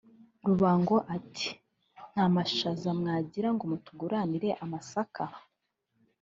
" Rubango ati "Nta mashaza mwagira ngo mutuguranire amasaka